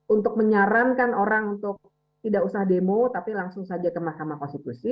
untuk menyarankan orang untuk tidak usah demo tapi langsung saja ke mahkamah konstitusi